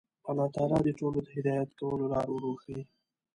الله تعالی دې ټولو ته د هدایت کولو لاره ور وښيي.